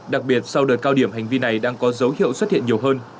đặc biệt sau đợt cao điểm hành vi này đang có dấu hiệu xuất hiện nhiều hơn